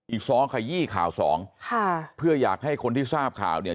อีก๒ขยี้ข่าว๒เพื่ออยากให้คนที่ทราบข่าวเนี่ย